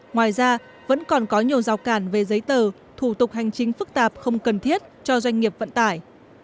ngoài ra vẫn còn có nhiều rào cản về giấy tờ thủ tục hành chính phức tạp không cần thiết cho doanh nghiệp vận tải